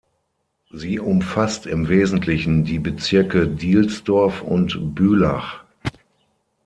Sie umfasst im Wesentlichen die Bezirke Dielsdorf und Bülach.